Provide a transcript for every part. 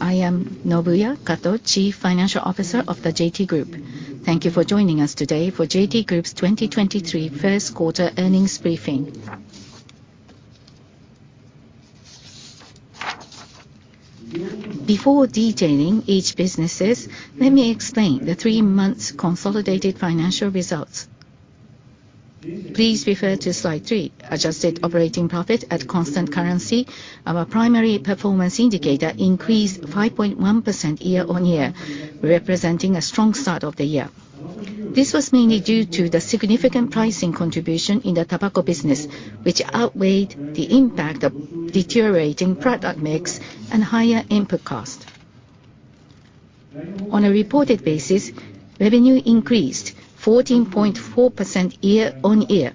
I am Nobuya Kato, Chief Financial Officer of the JT Group. Thank you for joining us today for JT Group's 2023 first quarter earnings briefing. Before detailing each businesses, let me explain the 3 months consolidated financial results. Please refer to slide 3. Adjusted operating profit at constant currency. Our primary performance indicator increased 5.1% year-on-year, representing a strong start of the year. This was mainly due to the significant pricing contribution in the tobacco business, which outweighed the impact of deteriorating product mix and higher input cost. On a reported basis, revenue increased 14.4% year-on-year,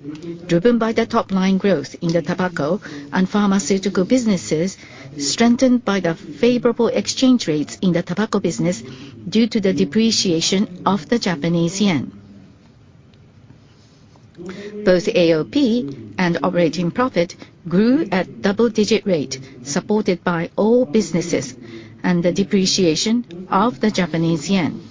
driven by the top line growth in the tobacco and pharmaceutical businesses, strengthened by the favorable exchange rates in the tobacco business due to the depreciation of the Japanese yen. Both AOP and operating profit grew at double-digit rate, supported by all businesses and the depreciation of the Japanese yen.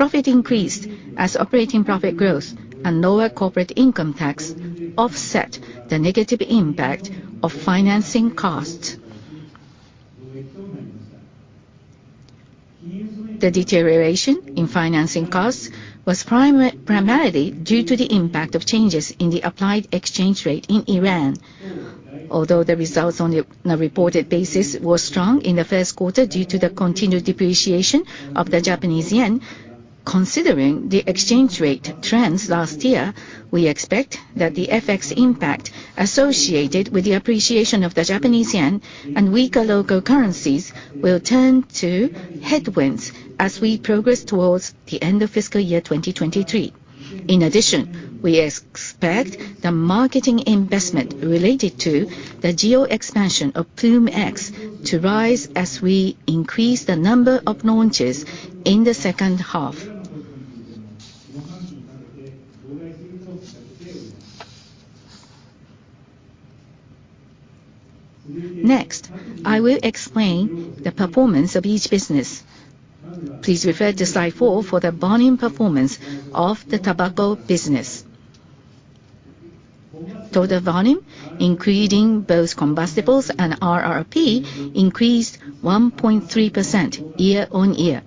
Profit increased as operating profit growth and lower corporate income tax offset the negative impact of financing costs. The deterioration in financing costs was primarily due to the impact of changes in the applied exchange rate in Iran. Although the results on the reported basis were strong in the first quarter due to the continued depreciation of the Japanese yen, considering the exchange rate trends last year, we expect that the FX impact associated with the appreciation of the Japanese yen and weaker local currencies will turn to headwinds as we progress towards the end of fiscal year 2023. In addition, we expect the marketing investment related to the geo expansion of Ploom X to rise as we increase the number of launches in the second half. Next, I will explain the performance of each business. Please refer to slide four for the volume performance of the tobacco business. Total volume, including both combustibles and RRP, increased 1.3% year-on-year.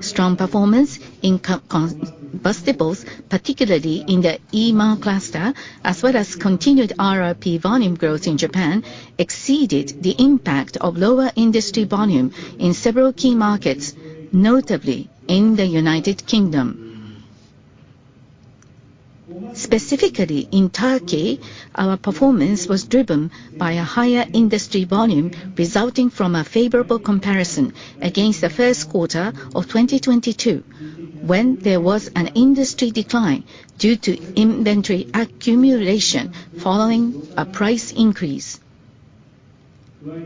Strong performance in combustibles, particularly in the EMA cluster, as well as continued RRP volume growth in Japan, exceeded the impact of lower industry volume in several key markets, notably in the United Kingdom. Specifically, in Turkey, our performance was driven by a higher industry volume resulting from a favorable comparison against the first quarter of 2022, when there was an industry decline due to inventory accumulation following a price increase.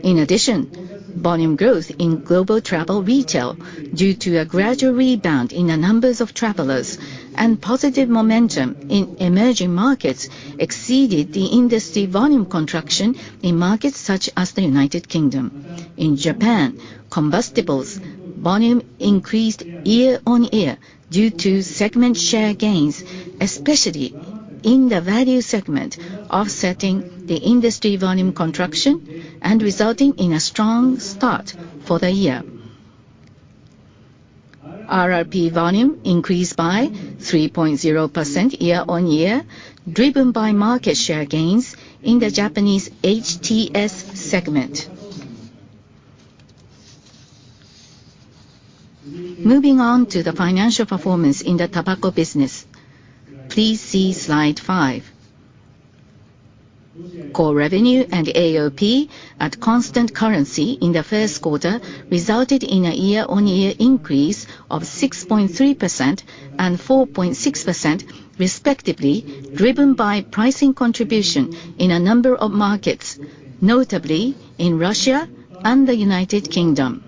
In addition, volume growth in global travel retail due to a gradual rebound in the numbers of travelers and positive momentum in emerging markets exceeded the industry volume contraction in markets such as the United Kingdom. In Japan, combustibles volume increased year-on-year due to segment share gains, especially in the value segment, offsetting the industry volume contraction and resulting in a strong start for the year. RRP volume increased by 3.0% year-on-year, driven by market share gains in the Japanese HTS segment. Moving on to the financial performance in the tobacco business, please see slide 5. Core revenue and AOP at constant currency in the first quarter resulted in a year-on-year increase of 6.3% and 4.6% respectively, driven by pricing contribution in a number of markets, notably in Russia and the United Kingdom.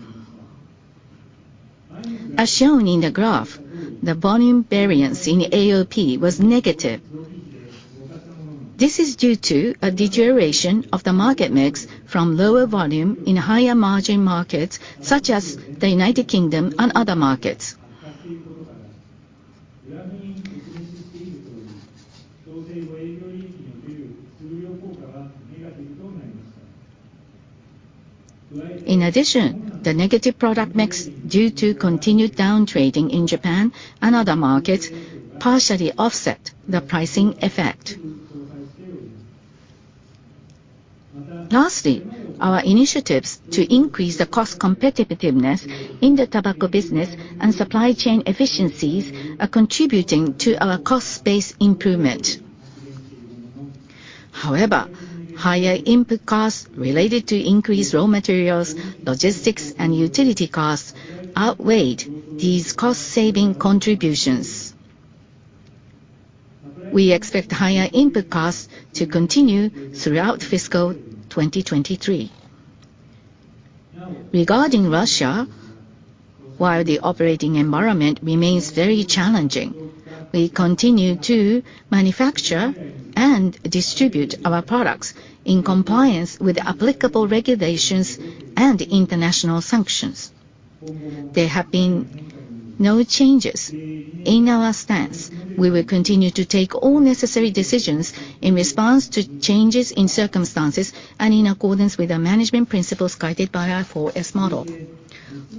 As shown in the graph, the volume variance in AOP was negative. This is due to a deterioration of the market mix from lower volume in higher margin markets, such as the United Kingdom and other markets. In addition, the negative product mix, due to continued down trading in Japan and other markets, partially offset the pricing effect. Lastly, our initiatives to increase the cost competitiveness in the tobacco business and supply chain efficiencies are contributing to our cost base improvement. However, higher input costs related to increased raw materials, logistics, and utility costs outweighed these cost-saving contributions. We expect higher input costs to continue throughout fiscal 2023. Regarding Russia, while the operating environment remains very challenging, we continue to manufacture and distribute our products in compliance with applicable regulations and international sanctions. There have been no changes in our stance. We will continue to take all necessary decisions in response to changes in circumstances and in accordance with the management principles guided by our 4S model.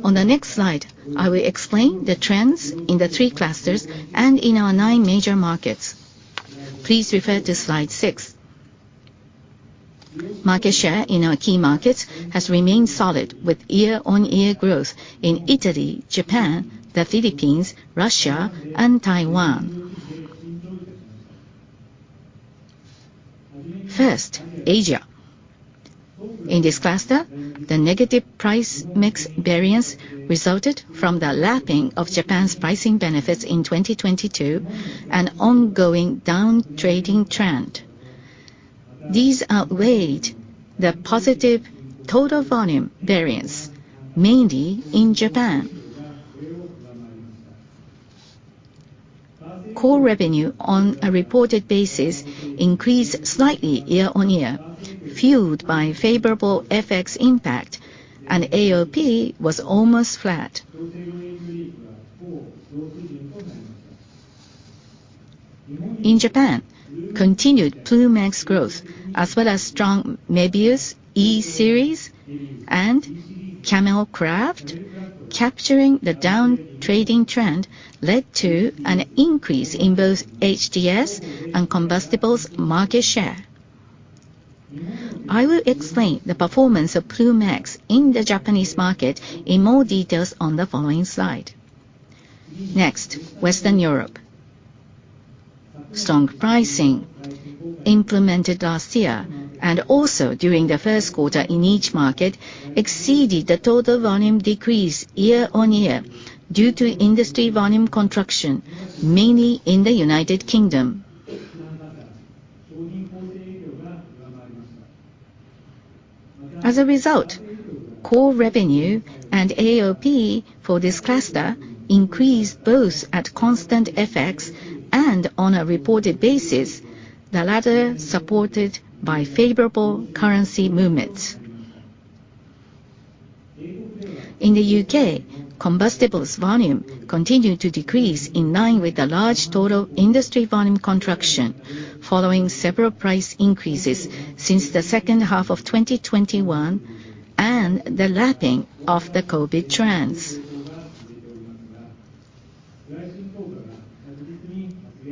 On the next slide, I will explain the trends in the 3 clusters and in our 9 major markets. Please refer to slide 6. Market share in our key markets has remained solid with year-on-year growth in Italy, Japan, the Philippines, Russia and Taiwan. Asia. In this cluster, the negative price mix variance resulted from the lapping of Japan's pricing benefits in 2022, an ongoing down trading trend. These outweighed the positive total volume variance, mainly in Japan. Core revenue on a reported basis increased slightly year-on-year, fueled by favorable FX impact, and AOP was almost flat. In Japan, continued Ploom X growth, as well as strong MEVIUS E-Series and Camel Craft capturing the down trading trend led to an increase in both HTS and combustibles market share. I will explain the performance of Ploom X in the Japanese market in more details on the following slide. Western Europe. Strong pricing implemented last year, and also during the first quarter in each market exceeded the total volume decrease year-on-year due to industry volume contraction, mainly in the United Kingdom. As a result, core revenue and AOP for this cluster increased both at constant FX and on a reported basis, the latter supported by favorable currency movements. In the U.K., combustibles volume continued to decrease in line with the large total industry volume contraction following several price increases since the second half of 2021 and the lapping of the COVID trends.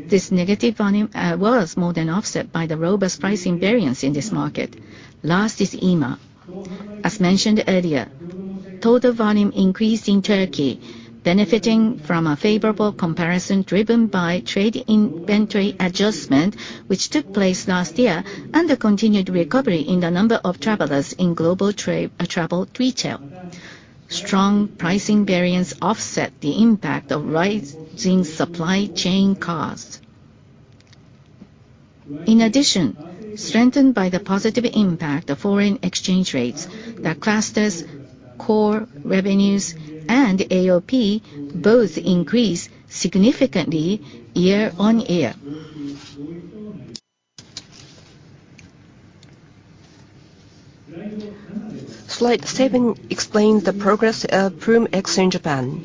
This negative volume was more than offset by the robust pricing variance in this market. Last is EMEA. As mentioned earlier, total volume increased in Turkey, benefiting from a favorable comparison driven by trade inventory adjustment, which took place last year, and the continued recovery in the number of travelers in global travel retail. Strong pricing variance offset the impact of rising supply chain costs. Strengthened by the positive impact of foreign exchange rates, the cluster's core revenues and AOP both increased significantly year-on-year. Slide 7 explains the progress of Ploom X in Japan.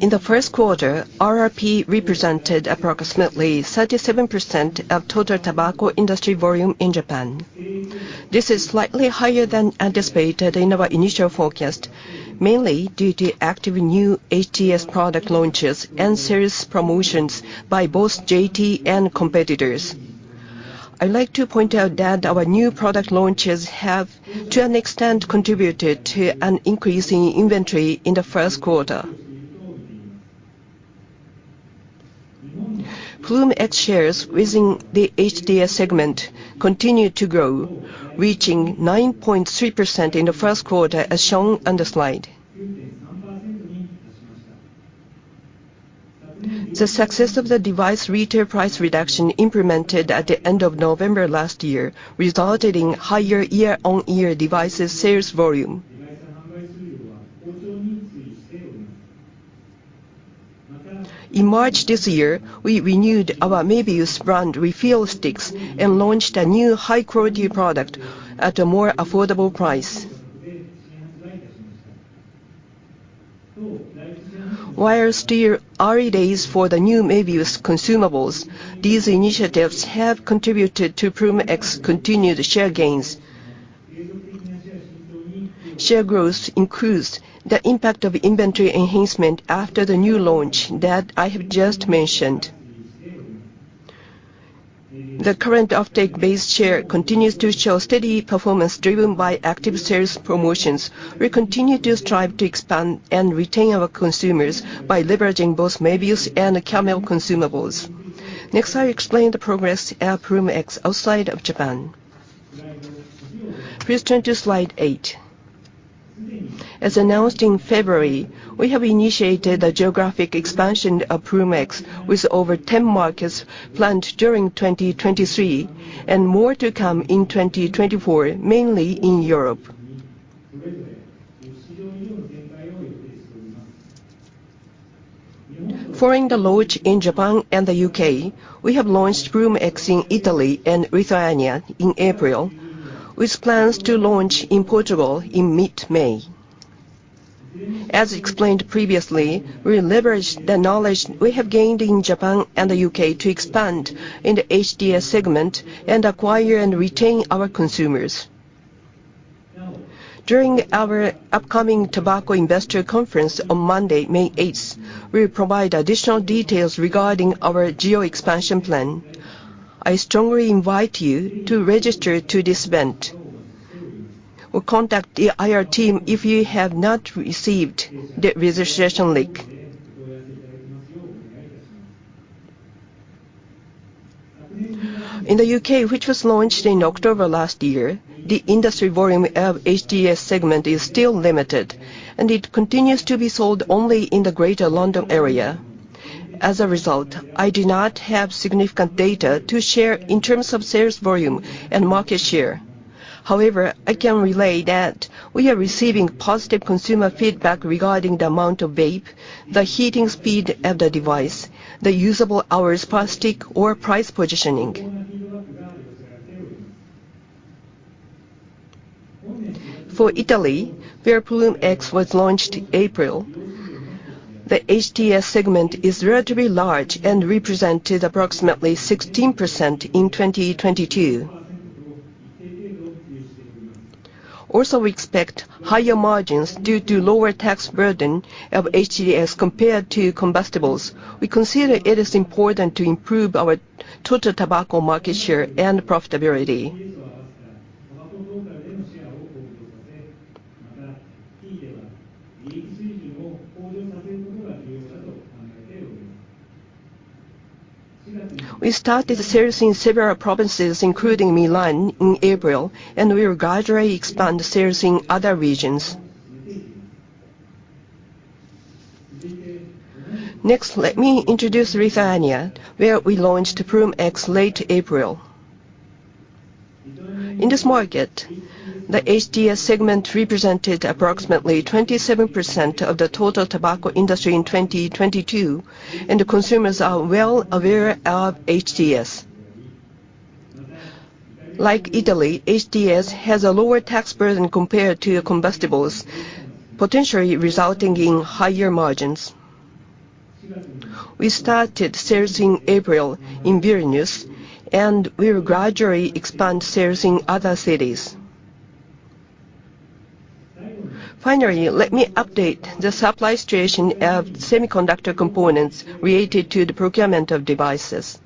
In the first quarter, RRP represented approximately 37% of total tobacco industry volume in Japan. This is slightly higher than anticipated in our initial forecast, mainly due to active new HTS product launches and sales promotions by both JT and competitors. I'd like to point out that our new product launches have, to an extent, contributed to an increase in inventory in the first quarter. Ploom X shares within the HTS segment continued to grow, reaching 9.3% in the first quarter, as shown on the slide. The success of the device retail price reduction implemented at the end of November last year resulted in higher year-on-year devices sales volume. In March this year, we renewed our MEVIUS brand refill sticks and launched a new high-quality product at a more affordable price. While still early days for the new MEVIUS consumables, these initiatives have contributed to Ploom X continued share gains. Share growth includes the impact of inventory enhancement after the new launch that I have just mentioned. The current offtake base share continues to show steady performance driven by active sales promotions. We continue to strive to expand and retain our consumers by leveraging both MEVIUS and Camel consumables. Next, I'll explain the progress of Ploom X outside of Japan. Please turn to slide eight. As announced in February, we have initiated a geographic expansion of Ploom X with over 10 markets planned during 2023, and more to come in 2024, mainly in Europe. Following the launch in Japan and the U.K., we have launched Ploom X in Italy and Lithuania in April, with plans to launch in Portugal in mid-May. As explained previously, we leverage the knowledge we have gained in Japan and the U.K. to expand in the HTS segment and acquire and retain our consumers. During our upcoming Tobacco Investor Conference on Monday, May eighth, we'll provide additional details regarding our geo expansion plan. I strongly invite you to register to this event. Contact the IR team if you have not received the registration link. In the U.K., which was launched in October last year, the industry volume of HTS segment is still limited. It continues to be sold only in the Greater London area. As a result, I do not have significant data to share in terms of sales volume and market share. However, I can relay that we are receiving positive consumer feedback regarding the amount of vape, the heating speed of the device, the usable hours per stick or price positioning. For Italy, where Ploom X was launched April, the HTS segment is relatively large and represented approximately 16% in 2022. We expect higher margins due to lower tax burden of HTS compared to combustibles. We consider it is important to improve our total tobacco market share and profitability. We started sales in several provinces, including Milan, in April. We will gradually expand sales in other regions. Next, let me introduce Lithuania, where we launched Ploom X late April. In this market, the HTS segment represented approximately 27% of the total tobacco industry in 2022, and the consumers are well aware of HTS. Like Italy, HTS has a lower tax burden compared to combustibles, potentially resulting in higher margins. We started sales in April in Vilnius, and we will gradually expand sales in other cities. Finally, let me update the supply situation of semiconductor components related to the procurement of devices.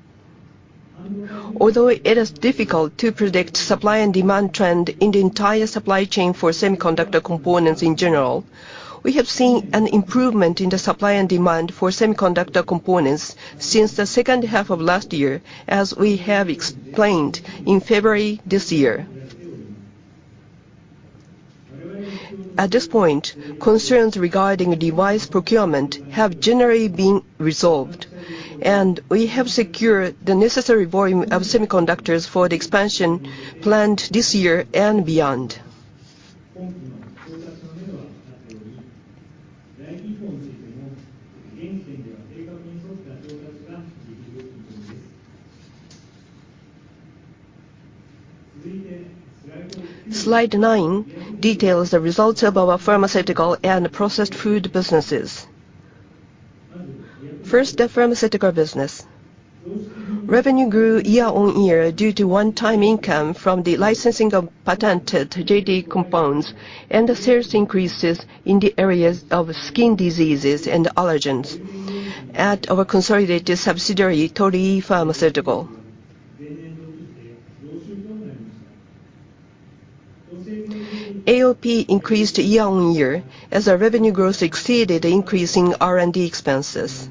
Although it is difficult to predict supply and demand trend in the entire supply chain for semiconductor components in general, we have seen an improvement in the supply and demand for semiconductor components since the second half of last year, as we have explained in February this year. At this point, concerns regarding device procurement have generally been resolved, and we have secured the necessary volume of semiconductors for the expansion planned this year and beyond. Slide 9 details the results of our pharmaceutical and processed food businesses. First, the pharmaceutical business. Revenue grew year-on-year due to one-time income from the licensing of patented JT compounds and the sales increases in the areas of skin diseases and allergens at our consolidated subsidiary, Torii Pharmaceutical. AOP increased year-on-year as our revenue growth exceeded increase in R&D expenses.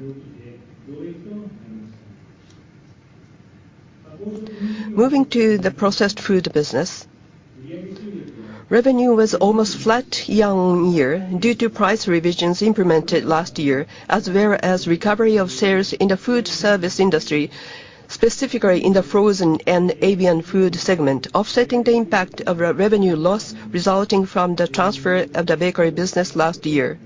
Moving to the processed food business, revenue was almost flat year-on-year due to price revisions implemented last year, as well as recovery of sales in the food service industry, specifically in the frozen and avian food segment, offsetting the impact of our revenue loss resulting from the transfer of the bakery business last year.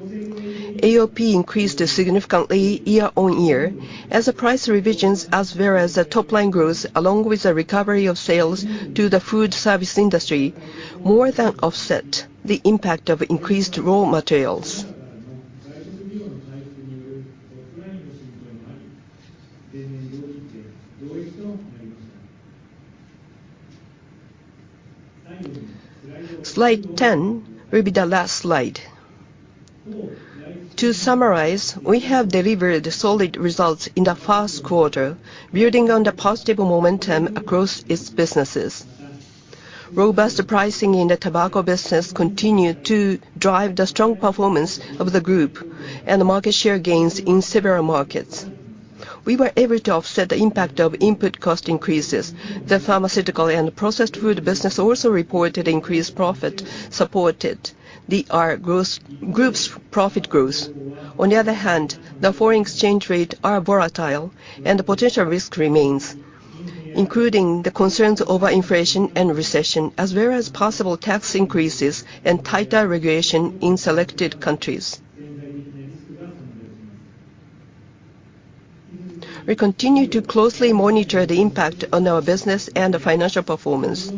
AOP increased significantly year-on-year as the price revisions, as well as the top-line growth, along with the recovery of sales to the food service industry, more than offset the impact of increased raw materials. Slide 10 will be the last slide. To summarize, we have delivered solid results in the first quarter, building on the positive momentum across its businesses. Robust pricing in the tobacco business continued to drive the strong performance of the group and the market share gains in several markets. We were able to offset the impact of input cost increases. The pharmaceutical and processed food business also reported increased profit, supported the Group's profit growth. On the other hand, the foreign exchange rate are volatile and the potential risk remains, including the concerns over inflation and recession, as well as possible tax increases and tighter regulation in selected countries. We continue to closely monitor the impact on our business and the financial performance.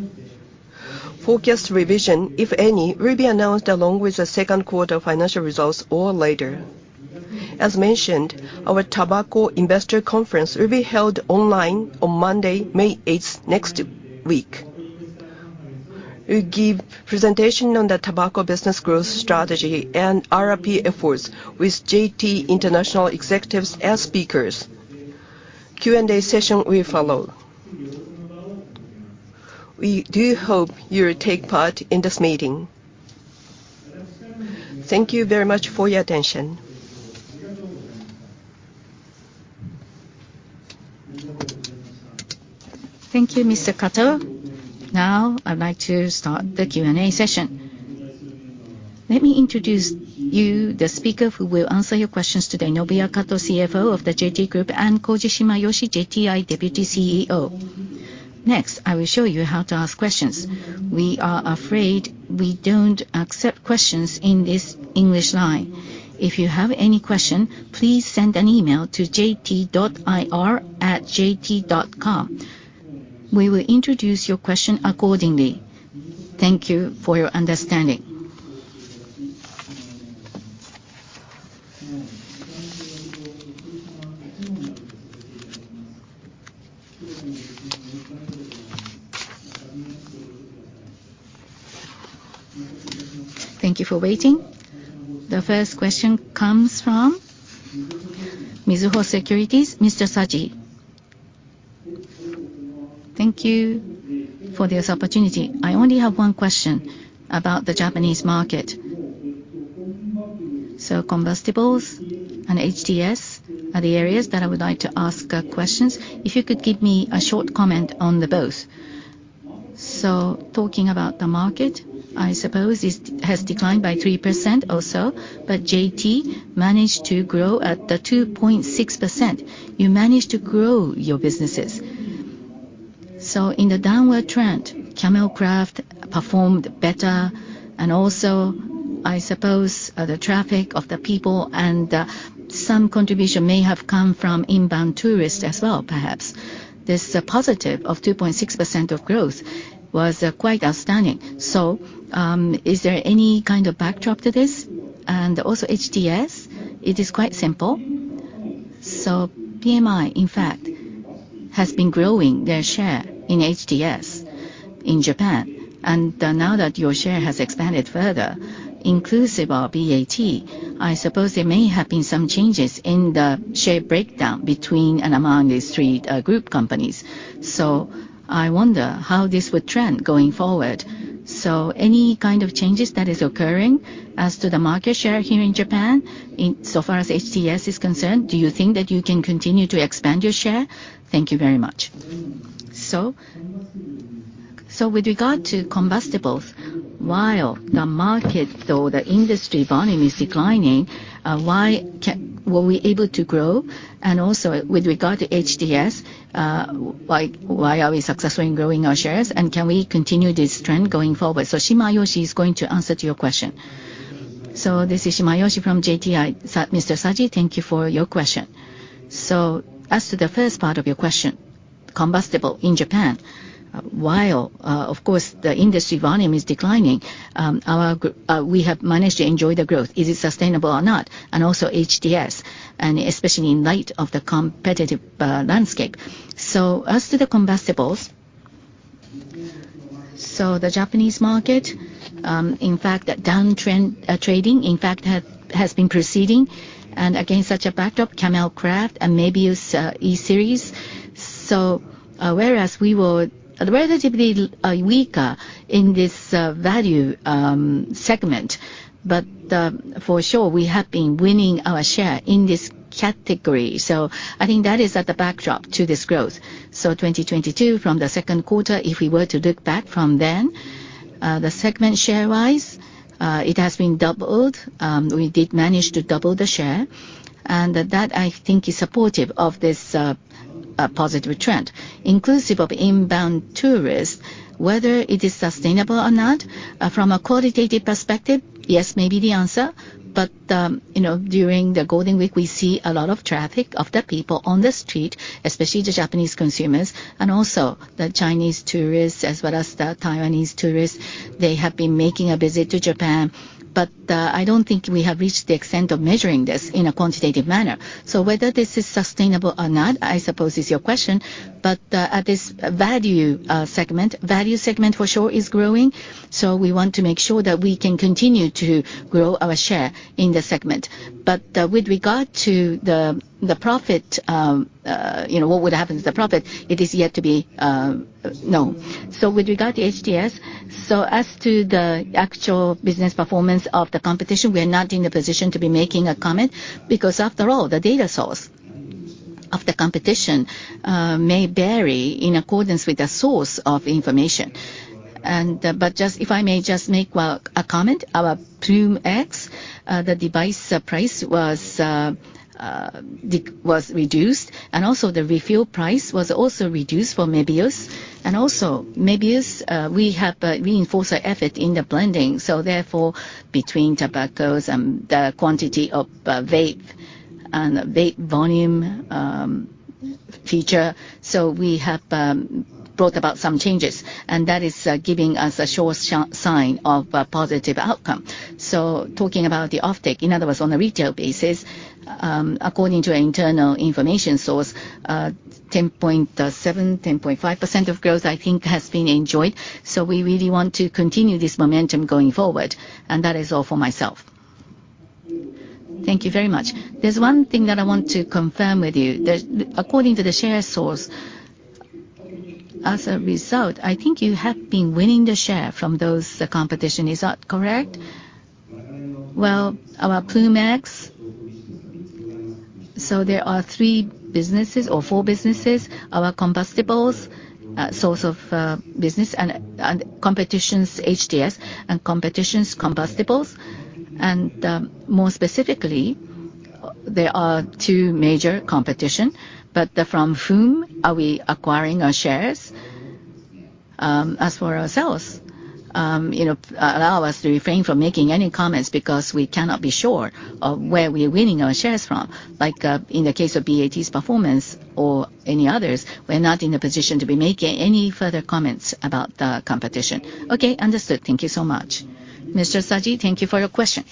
Forecast revision, if any, will be announced along with the second quarter financial results or later. As mentioned, our Tobacco Investor Conference will be held online on Monday, May 8, next week. We give presentation on the tobacco business growth strategy and RRP efforts with JT International executives as speakers. Q&A session will follow. We do hope you will take part in this meeting. Thank you very much for your attention. Thank you, Mr. Kato. I'd like to start the Q&A session. Let me introduce you the speaker who will answer your questions today, Nobuya Kato, CFO of the JT Group, and Koji Shimayoshi, JTI Deputy CEO. I will show you how to ask questions. We are afraid we don't accept questions in this English line. If you have any question, please send an email to jt.ir@jt.com. We will introduce your question accordingly. Thank you for your understanding. Thank you for waiting. The first question comes from Mizuho Securities, Mr. Saji. Thank you for this opportunity. I only have one question about the Japanese market. Combustibles and HTS are the areas that I would like to ask questions. If you could give me a short comment on the both. Talking about the market, I suppose it has declined by 3% or so, but JT managed to grow at the 2.6%. You managed to grow your businesses. In the downward trend, Camel Craft performed better. I suppose the traffic of the people and some contribution may have come from inbound tourists as well, perhaps. This positive of 2.6% of growth was quite outstanding. Is there any kind of backdrop to this? HTS, it is quite simple. PMI, in fact, has been growing their share in HTS in Japan. Now that your share has expanded further, inclusive of BAT, I suppose there may have been some changes in the share breakdown between and among these three group companies. I wonder how this would trend going forward. Any kind of changes that is occurring as to the market share here in Japan in so far as HTS is concerned, do you think that you can continue to expand your share? Thank you very much. With regard to combustibles, while the market or the industry volume is declining, why were we able to grow? Also with regard to HTS, why are we successful in growing our shares, and can we continue this trend going forward? Shimayoshi is going to answer to your question. This is Shimayoshi from JTI. Mr. Saji, thank you for your question. As to the first part of your question, combustible in Japan, while, of course, the industry volume is declining, we have managed to enjoy the growth. Is it sustainable or not? HTS, and especially in light of the competitive landscape. The combustibles, the Japanese market, in fact that downtrend trading, in fact, has been proceeding. Such a backdrop, Camel Craft and MEVIUS E-Series. We were relatively weaker in this value segment, but for sure we have been winning our share in this category. That is at the backdrop to this growth. 2022, from the second quarter, if we were to look back from then, the segment share-wise, it has been doubled. We did manage to double the share. That I think is supportive of this positive trend. Inclusive of inbound tourists, whether it is sustainable or not, from a qualitative perspective, yes may be the answer. you know, during the Golden Week, we see a lot of traffic of the people on the street, especially the Japanese consumers and also the Chinese tourists as well as the Taiwanese tourists. They have been making a visit to Japan. I don't think we have reached the extent of measuring this in a quantitative manner. Whether this is sustainable or not, I suppose, is your question. At this value segment, value segment for sure is growing. We want to make sure that we can continue to grow our share in the segment. With regard to the profit, you know, what would happen to the profit, it is yet to be known. With regard to HTS, as to the actual business performance of the competition, we are not in a position to be making a comment because after all, the data sourceThe competition may vary in accordance with the source of information. If I may just make well, a comment. Our Ploom X, the device price was reduced. Also the refill price was also reduced for MEVIUS. Also MEVIUS, we have reinforced our effort in the blending, therefore between tobaccos and the quantity of vape and vape volume feature. We have brought about some changes, and that is giving us a sure sign of a positive outcome. Talking about the offtake, in other words, on a retail basis, according to our internal information source, 10.7, 10.5% of growth, I think has been enjoyed. We really want to continue this momentum going forward. That is all for myself. Thank you very much. There's one thing that I want to confirm with you. According to the share source, as a result, I think you have been winning the share from those competition. Is that correct? Well, our Ploom X... There are three businesses or four businesses. Our combustibles, source of business and competition's HTS and competition's combustibles. More specifically, there are two major competition, but from whom are we acquiring our shares? As for ourselves, you know, allow us to refrain from making any comments because we cannot be sure of where we're winning our shares from. Like, in the case of BAT's performance or any others, we're not in a position to be making any further comments about the competition. Okay. Understood. Thank you so much. Mr. Saji, thank you for your question.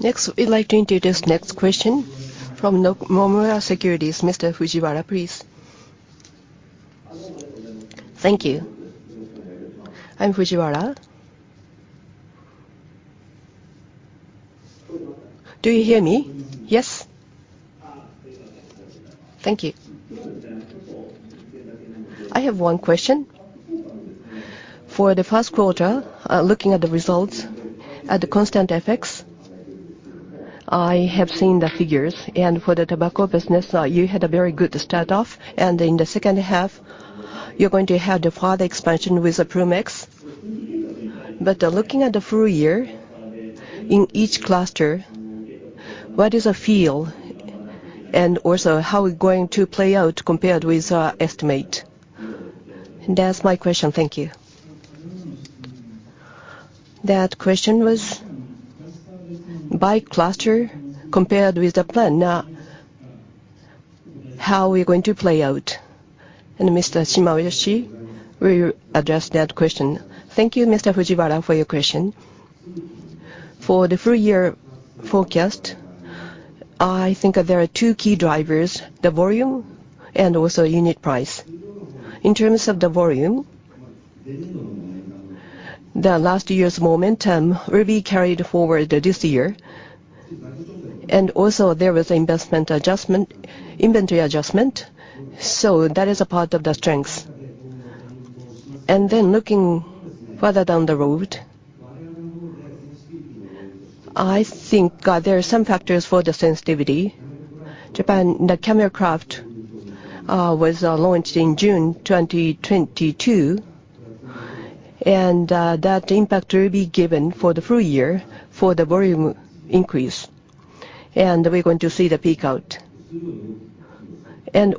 Next, we'd like to introduce next question from Nomura Securities. Mr. Fujiwara, please. Thank you. I'm Fujiwara. Do you hear me? Yes? Thank you. I have one question. For the first quarter, looking at the results at the constant FX, I have seen the figures. For the tobacco business, you had a very good start off, and in the second half you're going to have the product expansion with the Ploom X. Looking at the full year, in each cluster, what is a feel and also how it going to play out compared with our estimate? That's my question. Thank you. That question was by cluster compared with the plan, how we're going to play out, and Mr. Shimayoshi will address that question. Thank you, Mr. Fujiwara, for your question. For the full year forecast, I think there are two key drivers, the volume and also unit price. In terms of the volume, the last year's momentum will be carried forward this year. Also there was investment adjustment, inventory adjustment, so that is a part of the strength. Then looking further down the road, I think there are some factors for the sensitivity. Japan, the Camel Craft was launched in June 2022, and that impact will be given for the full year for the volume increase. We're going to see the peak out.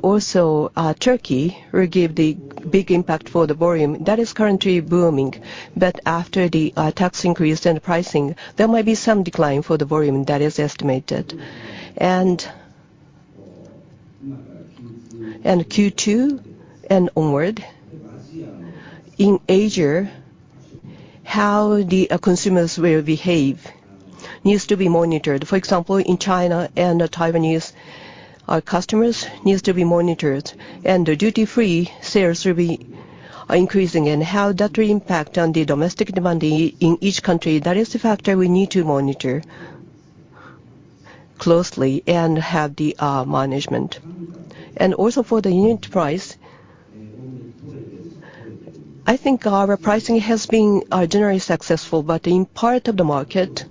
Also, Turkey will give the big impact for the volume. That is currently booming, but after the tax increase and pricing, there might be some decline for the volume that is estimated. Q2 and onward, in Asia, how the consumers will behave needs to be monitored. For example, in China and Taiwanese, our customers needs to be monitored. The duty-free sales will be increasing, and how that will impact on the domestic demand in each country. That is the factor we need to monitor closely and have the management. Also for the unit price, I think our pricing has been generally successful, but in part of the market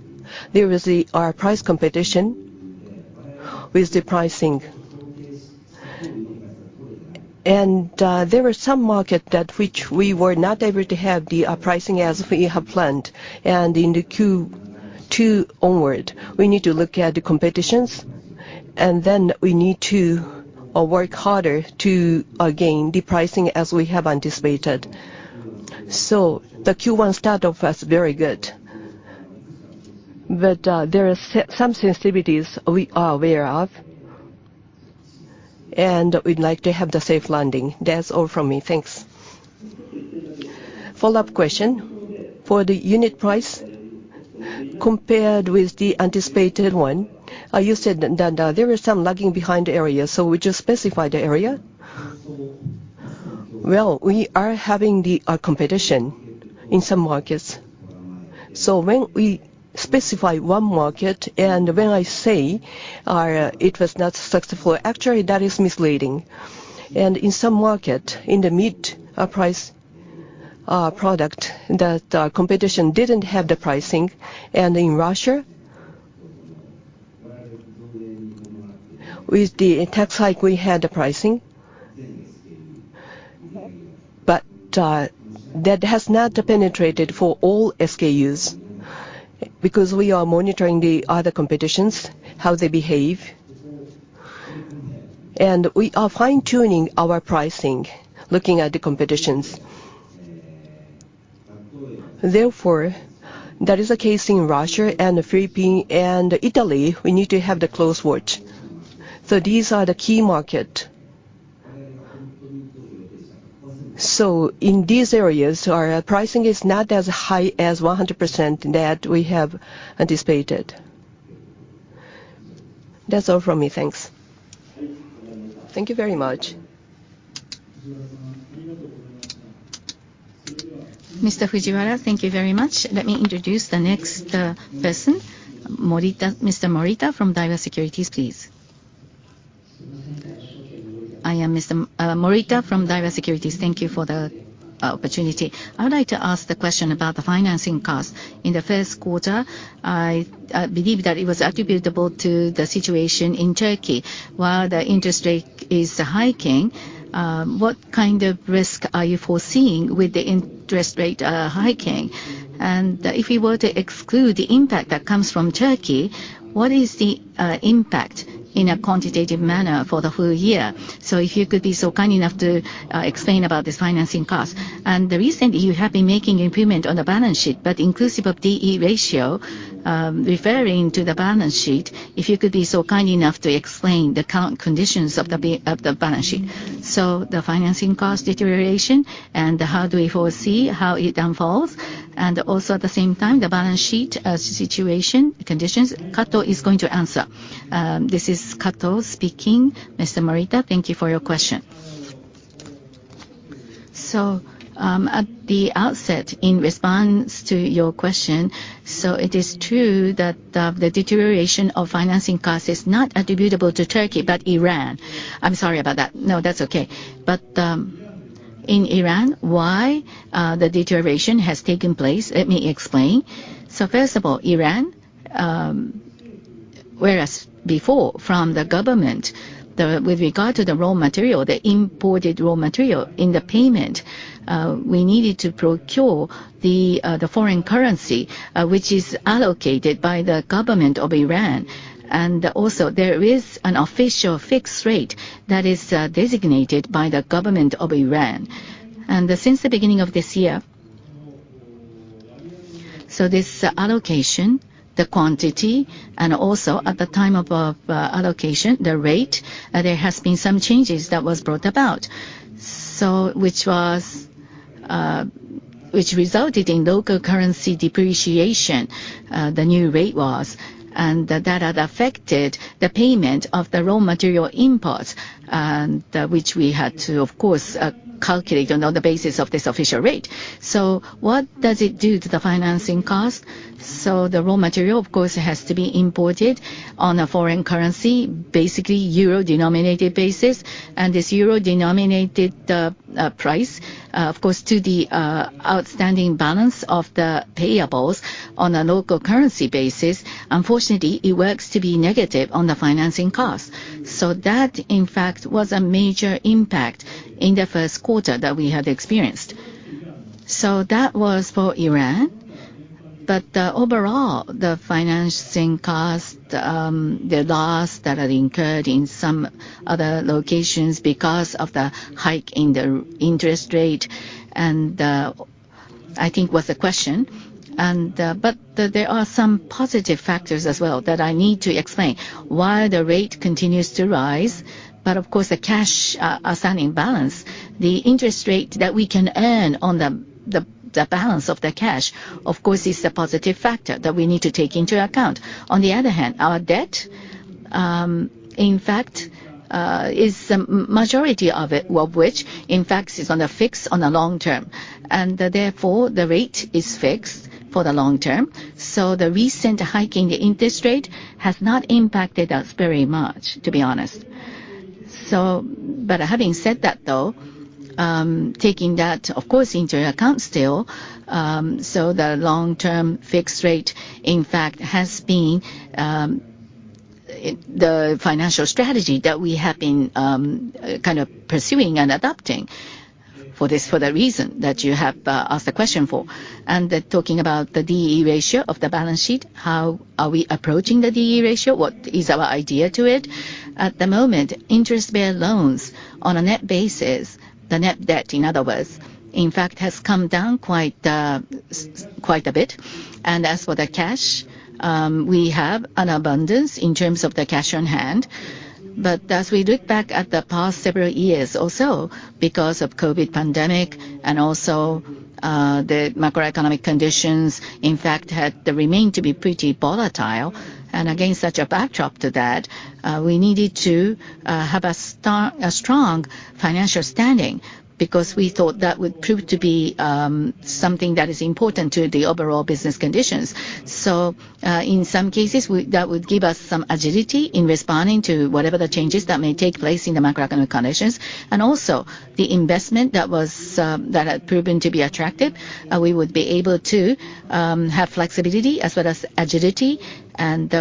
there is the, our price competition with the pricing. There are some market that which we were not able to have the pricing as we have planned. In the Q2 onward, we need to look at the competitions and then we need to work harder to gain the pricing as we have anticipated. The Q1 start off was very good. There are some sensitivities we are aware of, and we'd like to have the safe landing. That's all from me. Thanks. Follow-up question. For the unit price compared with the anticipated one, you said that there was some lagging behind areas. Would you specify the area? Well, we are having the competition in some markets. When we specify one market and when I say it was not successful, actually that is misleading. In some market, in the mid, price- Our product that our competition didn't have the pricing. In Russia, with the tax hike, we had the pricing. That has not penetrated for all SKUs because we are monitoring the other competitions, how they behave. We are fine-tuning our pricing looking at the competitions. Therefore, that is the case in Russia and the Philippines and Italy, we need to have the close watch. These are the key market. In these areas, our pricing is not as high as 100% that we have anticipated. That's all from me. Thanks. Thank you very much. Mr. Fujiwara, thank you very much. Let me introduce the next person. Morita, Mr. Morita from Daiwa Securities, please. I am Mr. Morita from Daiwa Securities. Thank you for the opportunity. I would like to ask the question about the financing cost. In the first quarter, I believe that it was attributable to the situation in Turkey. While the interest rate is hiking, what kind of risk are you foreseeing with the interest rate hiking? If we were to exclude the impact that comes from Turkey, what is the impact in a quantitative manner for the full year? If you could be so kind enough to explain about this financing cost. Recently, you have been making improvement on the balance sheet, but inclusive of D/E ratio, referring to the balance sheet, if you could be so kind enough to explain the current conditions of the balance sheet. The financing cost deterioration and how do we foresee how it unfolds, and also at the same time, the balance sheet situation, conditions. Kato is going to answer. This is Kato speaking. Mr. Morita, thank you for your question. At the outset, in response to your question, it is true that the deterioration of financing cost is not attributable to Turkey, but Iran. I'm sorry about that. No, that's okay. In Iran, why the deterioration has taken place? Let me explain. First of all, Iran, whereas before from the government, with regard to the raw material, the imported raw material in the payment, we needed to procure the foreign currency, which is allocated by the government of Iran. Also there is an official fixed rate that is designated by the government of Iran. Since the beginning of this year, this allocation, the quantity, and also at the time of allocation, the rate, there has been some changes that was brought about. Which was, which resulted in local currency depreciation, the new rate was. That had affected the payment of the raw material imports, and which we had to, of course, calculate on the basis of this official rate. What does it do to the financing cost? The raw material, of course, has to be imported on a foreign currency, basically euro-denominated basis. This euro-denominated price, of course, to the outstanding balance of the payables on a local currency basis. Unfortunately, it works to be negative on the financing cost. That, in fact, was a major impact in the first quarter that we had experienced. That was for Iran. Overall, the financing cost, the loss that had incurred in some other locations because of the hike in the interest rate, I think was the question. There are some positive factors as well that I need to explain. While the rate continues to rise, but of course the cash assigned in balance, the interest rate that we can earn on the balance of the cash, of course, is a positive factor that we need to take into account. On the other hand, our debt, in fact, is the majority of it, well, which in fact is on a fixed on the long term. Therefore, the rate is fixed for the long term. The recent hike in the interest rate has not impacted us very much, to be honest. Having said that, though, taking that of course into account still, the long-term fixed rate in fact has been the financial strategy that we have been kind of pursuing and adopting for this, for the reason that you have asked the question for. Talking about the D/E ratio of the balance sheet, how are we approaching the D/E ratio? What is our idea to it? At the moment, interest bear loans on a net basis, the net debt, in other words, in fact, has come down quite a bit. As for the cash, we have an abundance in terms of the cash on hand. As we look back at the past several years also because of COVID pandemic and also, the macroeconomic conditions, in fact, had remained to be pretty volatile. Against such a backdrop to that, we needed to have a strong financial standing because we thought that would prove to be. Something that is important to the overall business conditions. In some cases, that would give us some agility in responding to whatever the changes that may take place in the macroeconomic conditions. Also the investment that was that had proven to be attractive, we would be able to have flexibility as well as agility.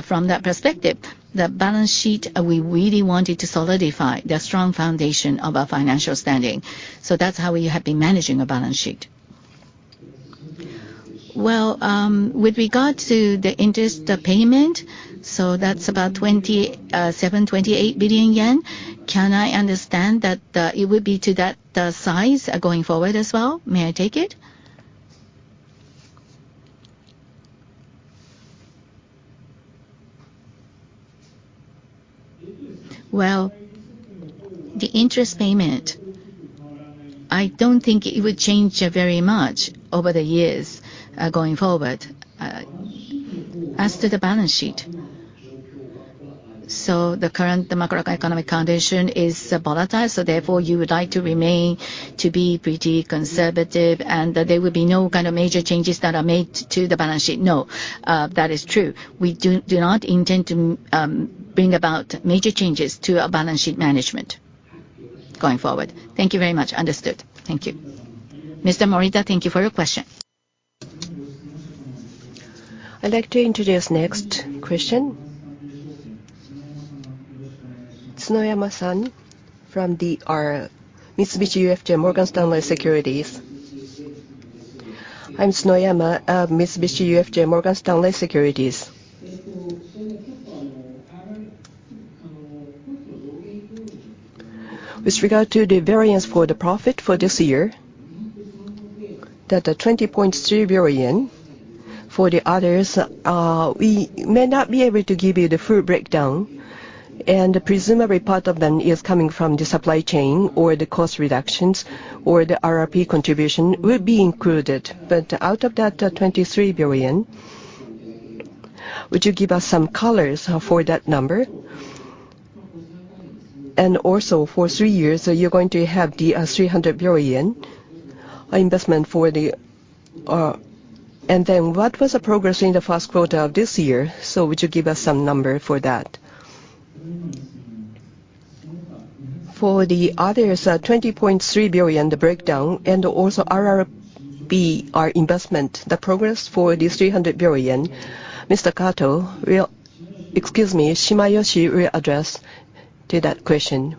From that perspective, the balance sheet, we really wanted to solidify the strong foundation of our financial standing. That's how we have been managing the balance sheet. Well, with regard to the interest payment, that's about 27 billion-28 billion yen. Can I understand that it would be to that size going forward as well? May I take it? Well, the interest payment, I don't think it would change very much over the years going forward. As to the balance sheet. The current macroeconomic condition is volatile, so therefore you would like to remain to be pretty conservative, and there would be no kind of major changes that are made to the balance sheet. That is true. We do not intend to bring about major changes to our balance sheet management going forward. Thank you very much. Understood. Thank you. Mr. Morita, thank you for your question. I'd like to introduce next question. Tsunoyama Mitsubishi UFJ Morgan Stanley Securities. I'm Tsunoyama of Mitsubishi UFJ Morgan Stanley Securities. With regard to the variance for the profit for this year, that the 20.3 billion. For the others, we may not be able to give you the full breakdown, and presumably part of them is coming from the supply chain or the cost reductions, or the RRP contribution will be included. Out of that, 23 billion, would you give us some colors for that number? Also for three years, you're going to have the, 300 billion investment for the... What was the progress in the first quarter of this year? Would you give us some number for that? For the others, 20.3 billion, the breakdown, and also RRP, our investment, the progress for this 300 billion. Mr. Shimayoshi will address to that question.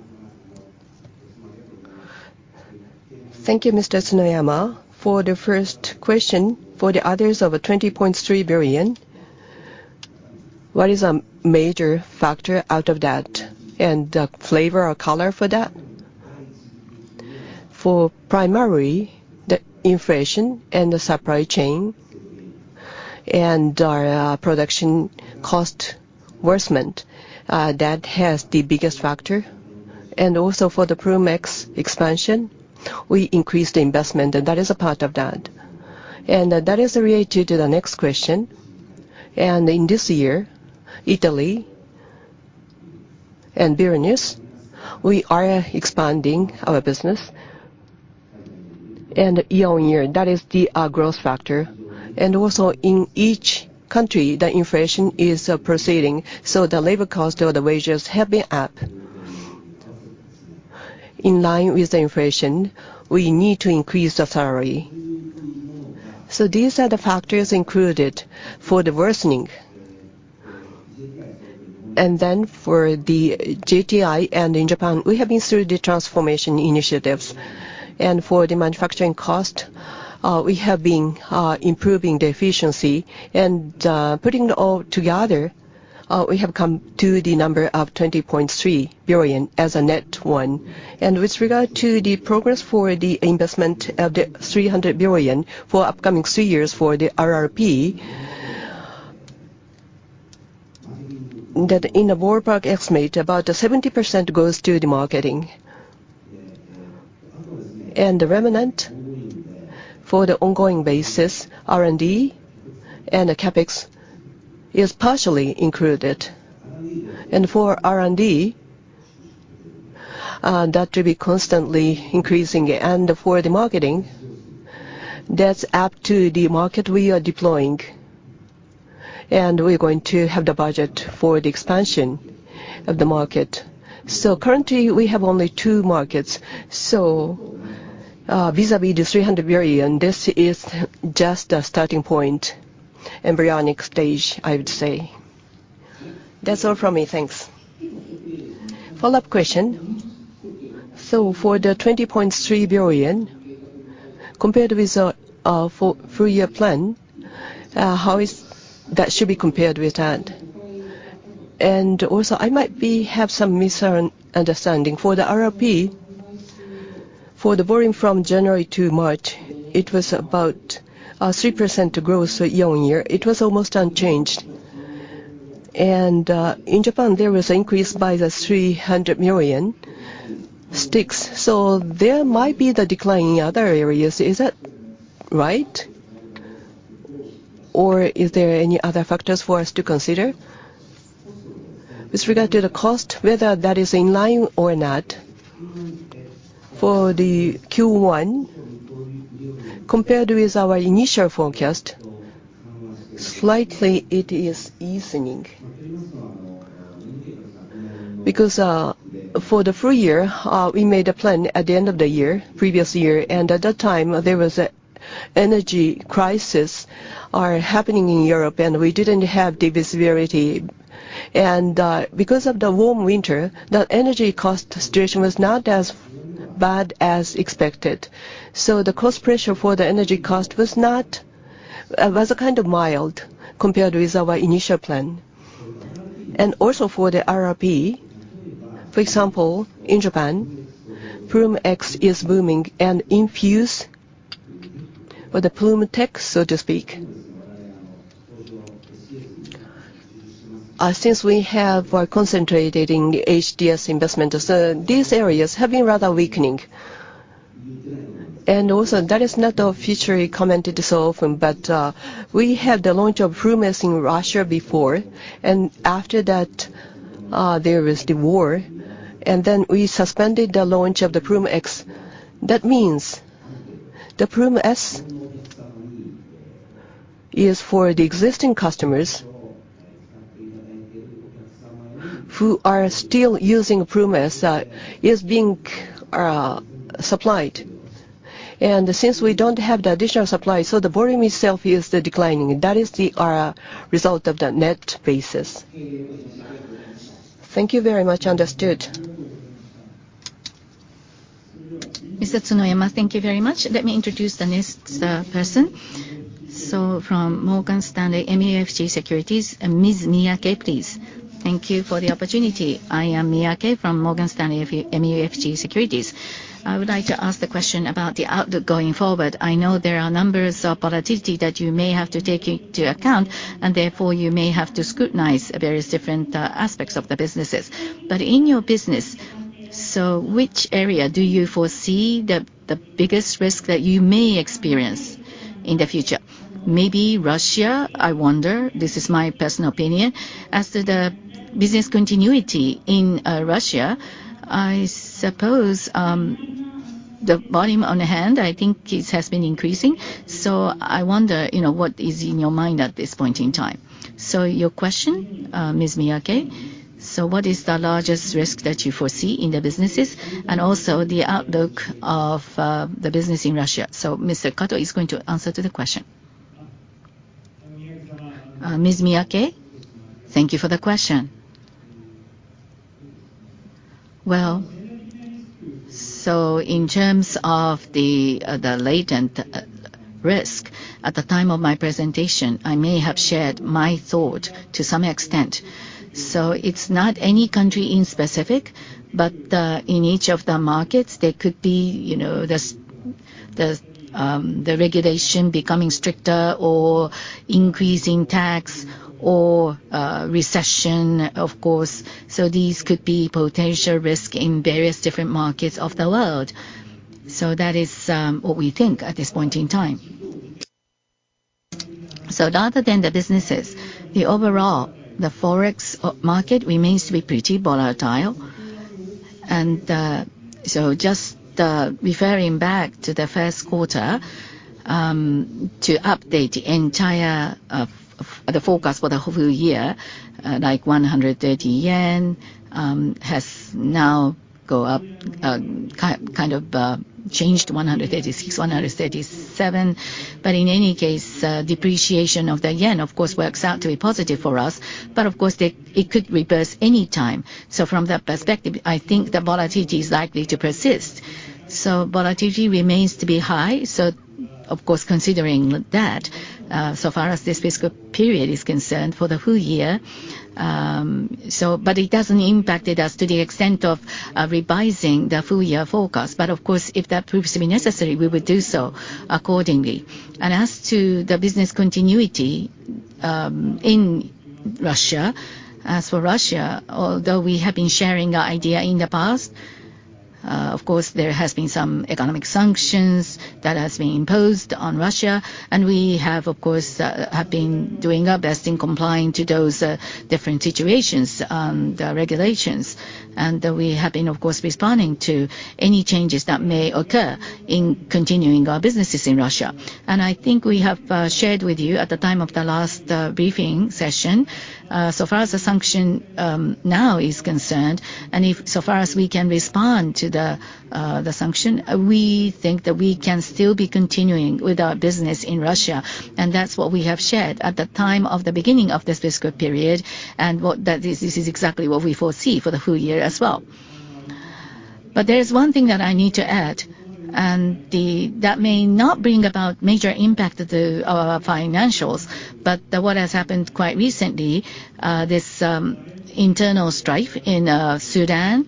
Thank you, Mr. Tsunoyama. For the first question, for the others of a 20.3 billion, what is a major factor out of that, and flavor or color for that? For primary, the inflation and the supply chain, and our production cost worsened. That has the biggest factor. Also for the Ploom X expansion, we increased the investment. That is a part of that. That is related to the next question. In this year, Italy and business, we are expanding our business. Year on year, that is the growth factor. Also in each country, the inflation is proceeding, so the labor cost or the wages have been up. In line with the inflation, we need to increase the salary. So these are the factors included for the worsening. For the JTI and in Japan, we have inserted the transformation initiatives. For the manufacturing cost, we have been improving the efficiency. Putting it all together, we have come to the number of 20.3 billion as a net one. With regard to the progress for the investment of 300 billion for upcoming 3 years for the RRP, that in the ballpark estimate, about 70% goes to the marketing. The remnant for the ongoing basis, R&D and the CapEx, is partially included. For R&D, that will be constantly increasing. For the marketing, that's up to the market we are deploying. We're going to have the budget for the expansion of the market. Currently, we have only 2 markets. Vis-à-vis the 300 billion, this is just a starting point. Embryonic stage, I would say. That's all from me. Thanks. Follow-up question. For the 20.3 billion, compared with for full year plan, how is that should be compared with that? I might be have some misunderstanding. For the RRP, for the volume from January to March, it was about 3% growth year-on-year. It was almost unchanged. In Japan, there was increase by the 300 million sticks. There might be the decline in other areas. Is that right? Is there any other factors for us to consider? With regard to the cost, whether that is in line or not, for the Q1, compared with our initial forecast, slightly it is easing. For the full year, we made a plan at the end of the year, previous year, and at that time there was a energy crisis are happening in Europe, and we didn't have the severity. Because of the warm winter, the energy cost situation was not as bad as expected. The cost pressure for the energy cost was kind of mild compared with our initial plan. Also for the RRP, for example, in Japan, Ploom X is booming and Infused for the Ploom TECH, so to speak. Since we have concentrated in HTS investment, so these areas have been rather weakening. That is not our future we commented so often, but we had the launch of Ploom S in Russia before. After that, there was the war, we suspended the launch of the Ploom X. The Ploom S is for the existing customers who are still using Ploom S, is being supplied. Since we don't have the additional supply, the volume itself is declining. That is the result of the net basis. Thank you very much. Understood. Mr. Tsunoyama, thank you very much. Let me introduce the next person. From Morgan Stanley MUFG Securities, Ms. Miyake, please. Thank you for the opportunity. I am Miyake from Morgan Stanley MUFG Securities. I would like to ask the question about the outlook going forward. I know there are numbers of volatility that you may have to take into account. Therefore, you may have to scrutinize various different aspects of the businesses. In your business, which area do you foresee the biggest risk that you may experience in the future? Maybe Russia, I wonder. This is my personal opinion. As to the business continuity in Russia, I suppose, the volume on hand, I think it has been increasing. I wonder, you know, what is in your mind at this point in time. Your question, Ms. Miyake, what is the largest risk that you foresee in the businesses, and also the outlook of the business in Russia? Mr. Kato is going to answer to the question. Ms. Miyake, thank you for the question. In terms of the latent risk, at the time of my presentation, I may have shared my thought to some extent. It's not any country in specific, but in each of the markets, there could be, you know, the regulation becoming stricter or increasing tax or recession, of course. These could be potential risk in various different markets of the world. That is what we think at this point in time. Other than the businesses, the overall, the Forex market remains to be pretty volatile. Just referring back to the first quarter, to update the entire forecast for the whole year, like 130 yen, has now go up, kind of changed 136, 137. In any case, depreciation of the yen, of course, works out to be positive for us. Of course, it could reverse any time. From that perspective, I think the volatility is likely to persist. Volatility remains to be high. Of course, considering that, so far as this fiscal period is concerned for the full year. It hasn't impacted us to the extent of revising the full year forecast. Of course, if that proves to be necessary, we would do so accordingly. As to the business continuity, in Russia, as for Russia, although we have been sharing our idea in the past, of course, there has been some economic sanctions that has been imposed on Russia. We have, of course, have been doing our best in complying to those different situations and regulations. We have been, of course, responding to any changes that may occur in continuing our businesses in Russia. I think we have shared with you at the time of the last briefing session, so far as the sanction now is concerned, and if so far as we can respond to the sanction, we think that we can still be continuing with our business in Russia. That's what we have shared at the time of the beginning of this fiscal period, and what that is, this is exactly what we foresee for the full year as well. There's one thing that I need to add, and that may not bring about major impact to our financials. What has happened quite recently, this internal strife in Sudan.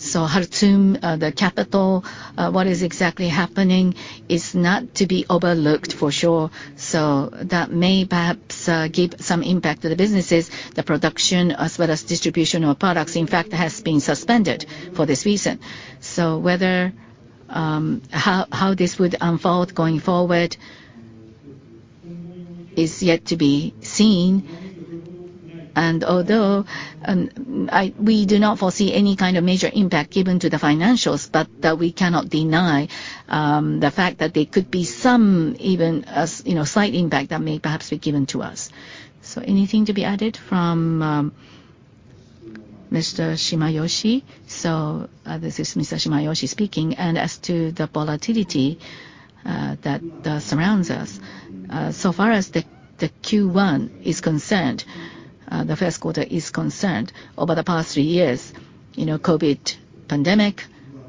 Khartoum, the capital, what is exactly happening is not to be overlooked for sure. That may perhaps give some impact to the businesses. The production as well as distribution of products, in fact, has been suspended for this reason. Whether how this would unfold going forward is yet to be seen. Although we do not foresee any kind of major impact given to the financials, but that we cannot deny the fact that there could be some even as, you know, slight impact that may perhaps be given to us. Anything to be added from Mr. Shimayoshi? This is Mr. Shimayoshi speaking. As to the volatility that surrounds us so far as the Q1 is concerned, the first quarter is concerned, over the past three years, you know, COVID pandemic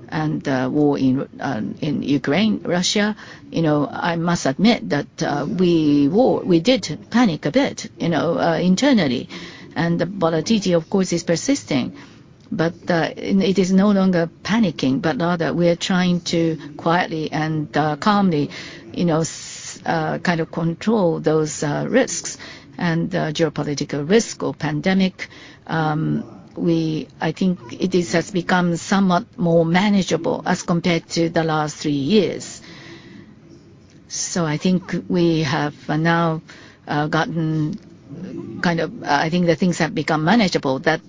and war in Ukraine, Russia, you know, I must admit that we did panic a bit, you know, internally. The volatility, of course, is persisting. It is no longer panicking, but rather we are trying to quietly and calmly, you know, kind of control those risks and geopolitical risk or pandemic. I think it has become somewhat more manageable as compared to the last three years. I think we have now, I think the things have become manageable that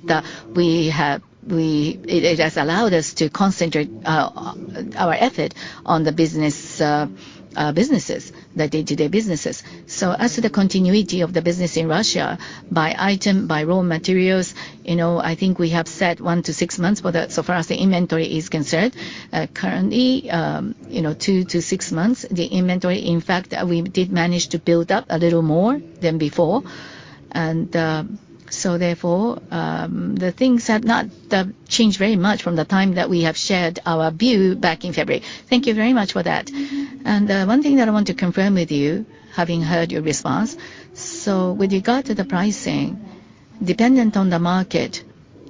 it has allowed us to concentrate our effort on the business, businesses, the day-to-day businesses. As to the continuity of the business in Russia, by item, by raw materials, you know, I think we have said 1-6 months, but so far as the inventory is concerned, currently, you know, 2-6 months. The inventory, in fact, we did manage to build up a little more than before. Therefore, the things have not changed very much from the time that we have shared our view back in February. Thank you very much for that. One thing that I want to confirm with you, having heard your response. With regard to the pricing, dependent on the market,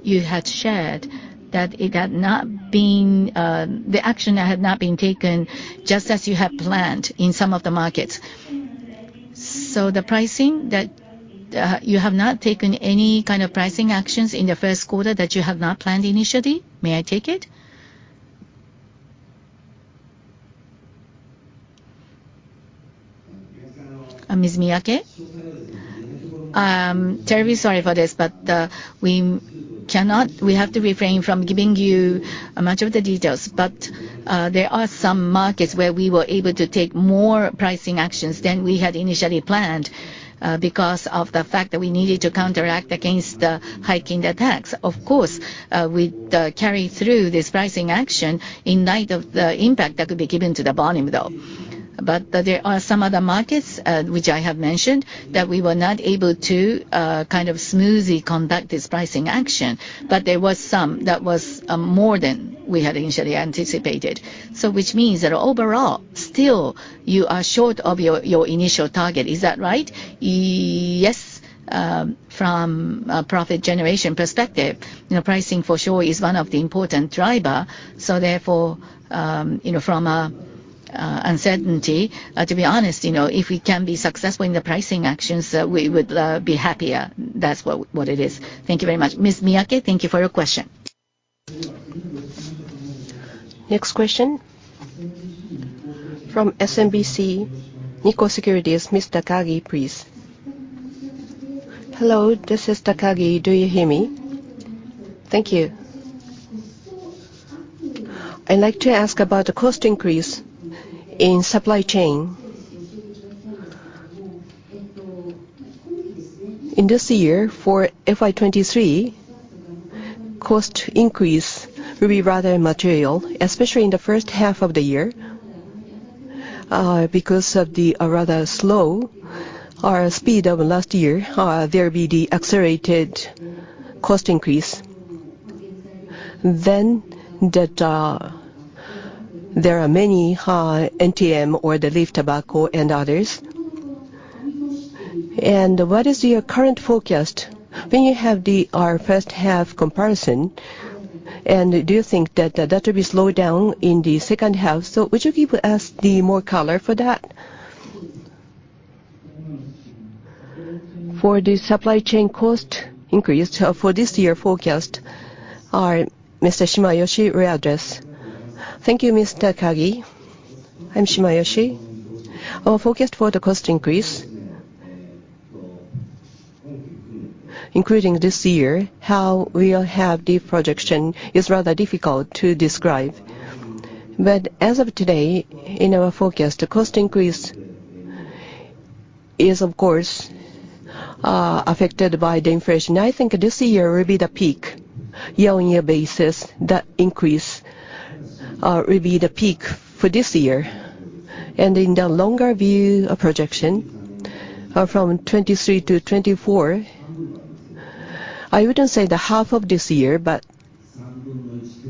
you had shared that it had not been, the action had not been taken just as you had planned in some of the markets. The pricing that you have not taken any kind of pricing actions in the first quarter that you had not planned initially, may I take it? Ms. Miyake? Terribly sorry for this, but we cannot. We have to refrain from giving you much of the details. There are some markets where we were able to take more pricing actions than we had initially planned, because of the fact that we needed to counteract against the hike in the tax. Of course, we carry through this pricing action in light of the impact that could be given to the volume, though. There are some other markets, which I have mentioned that we were not able to kind of smoothly conduct this pricing action. There was some that was more than we had initially anticipated. Which means that overall, still you are short of your initial target. Is that right? Yes. From a profit generation perspective, you know, pricing for sure is one of the important driver. Therefore, you know, from a uncertainty, to be honest, you know, if we can be successful in the pricing actions, we would be happier. That's what it is. Thank you very much. Ms. Miyake, thank you for your question. Next question from SMBC Nikko Securities. Ms. Takagi, please. Hello, this is Takagi. Do you hear me? Thank you. I'd like to ask about the cost increase in supply chain. In this year for FY 2023, cost increase will be rather material, especially in the first half of the year. Because of the rather slow speed of last year, there will be the accelerated cost increase. That there are many NTRM or the leaf tobacco and others. What is your current forecast when you have our first half comparison? Do you think that will be slowed down in the second half? Would you give us the more color for that? For the supply chain cost increase, for this year forecast, our Mr. Shimayoshi will address. Thank you, Mr. Takagi. I'm Shimayoshi. Our forecast for the cost increase, including this year, how we'll have the projection is rather difficult to describe. As of today, in our forecast, the cost increase is of course affected by the inflation. I think this year will be the peak year-on-year basis that increase will be the peak for this year. In the longer view projection, from 2023 to 2024, I wouldn't say the half of this year, but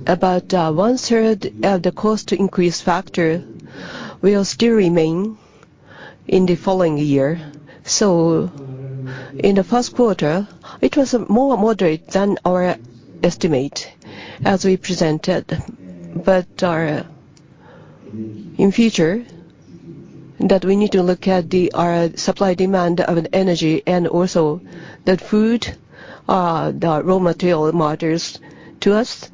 about one third of the cost increase factor will still remain in the following year. In the first quarter, it was more moderate than our estimate as we presented. In future that we need to look at the supply demand of energy and also the food, the raw material matters to us.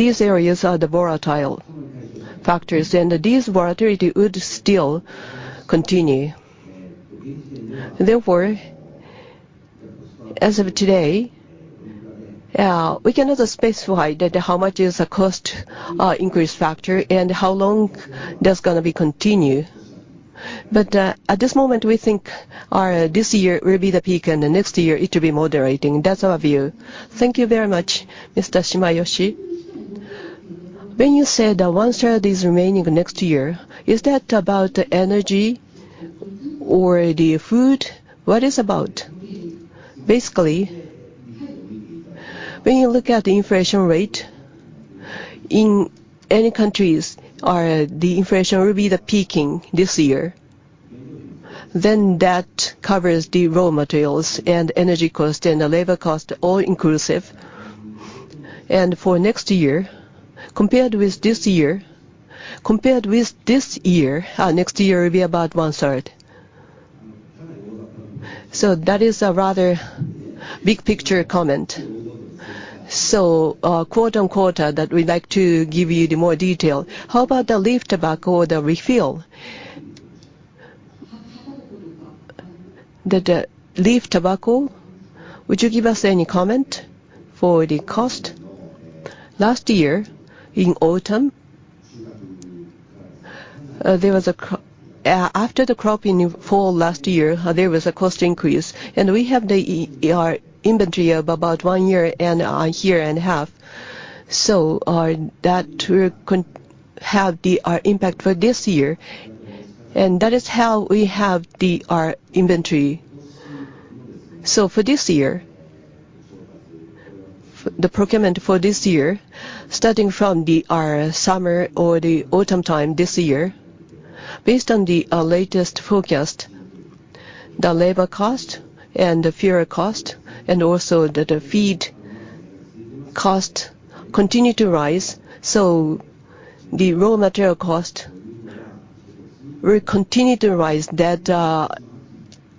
These areas are the volatile factors, and this volatility would still continue. As of today, we cannot specify that how much is the cost increase factor and how long that's gonna be continue. At this moment, we think this year will be the peak and the next year it will be moderating. That's our view. Thank you very much, Mr. Shimayoshi. When you said that one-third is remaining next year, is that about energy or the food? What it's about? When you look at the inflation rate in any countries, the inflation will be the peaking this year. That covers the raw materials and energy cost and the labor cost, all inclusive. For next year, compared with this year, next year will be about one-third. That is a rather big-picture comment. Quarter-on-quarter that we'd like to give you the more detail. How about the leaf tobacco, the refill? The leaf tobacco. Would you give us any comment for the cost? Last year in autumn, after the crop in fall last year, there was a cost increase. We have our inventory of about 1 year and year and half. That will have the impact for this year. That is how we have the inventory. For this year, the procurement for this year, starting from the summer or the autumn time this year, based on the latest forecast, the labor cost and the fuel cost and also the feed cost continue to rise. The raw material cost will continue to rise. That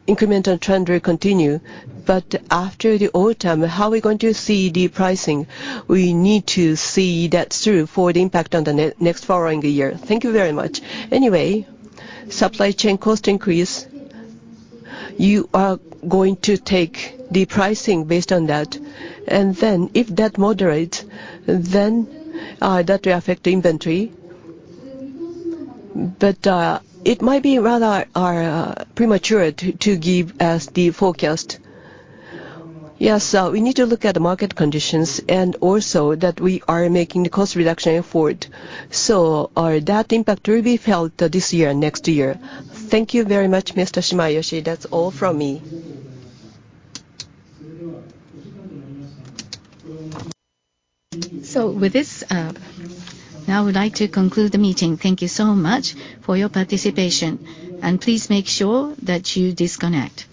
incremental trend will continue. After the autumn, how we're going to see the pricing, we need to see that through for the impact on the next following year. Thank you very much. Supply chain cost increase, you are going to take the pricing based on that. If that moderates, then, that will affect inventory. It might be rather premature to give us the forecast. Yes. We need to look at the market conditions and also that we are making the cost reduction effort. That impact will be felt this year, next year. Thank you very much, Mr. Shimayoshi. That's all from me. With this, now we'd like to conclude the meeting. Thank you so much for your participation, and please make sure that you disconnect.